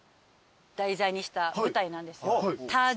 題材にした舞台なんです。